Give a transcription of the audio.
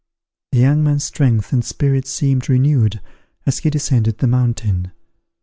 The young man's strength and spirits seemed renewed as he descended the mountain.